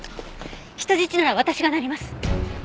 人質なら私がなります。